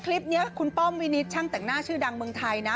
คลิปนี้คุณป้อมวินิตช่างแต่งหน้าชื่อดังเมืองไทยนะ